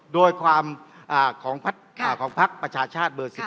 โดยความของพักประชาชาติเบอร์๑๑